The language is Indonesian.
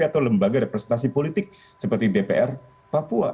atau lembaga representasi politik seperti dpr papua